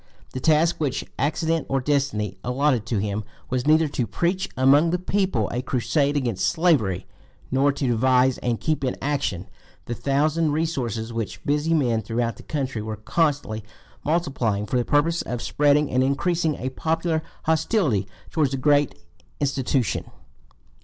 The task which accident or destiny allotted to him was neither to preach among the people a crusade against slavery, nor to devise and keep in action the thousand resources which busy men throughout the country were constantly multiplying for the purpose of spreading and increasing a popular hostility towards the great "institution."